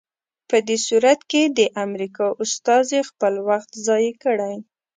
په دې صورت کې د امریکا استازي خپل وخت ضایع کړی.